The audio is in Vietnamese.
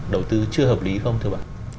đầu tư chưa hợp lý không thưa bà